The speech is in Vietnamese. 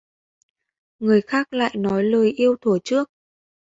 Người khác lại nói lời yêu thuở trước